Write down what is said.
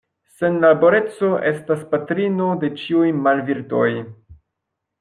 Senlaboreco estas patrino de ĉiuj malvirtoj.